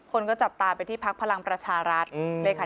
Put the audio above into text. คนก็จับตาไปที่พักพลังประชารัฐเลยค่ะ